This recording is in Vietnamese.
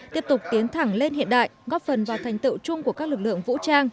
tiếp tục tiến thẳng lên hiện đại góp phần vào thành tựu chung của các lực lượng vũ trang